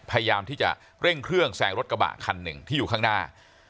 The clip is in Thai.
พยายามที่จะเร่งเครื่องแซงรถกระบะคันหนึ่งที่อยู่ข้างหน้า